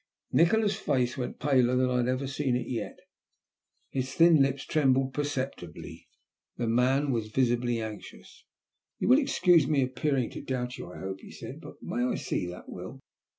Nikola's face went paler than I had ever seen it yet. His thin lips trembled perceptibly. The man was visibly anxious. "Tou will excuse my appearing to doubt you, I hope," he said, "but may I see that will?"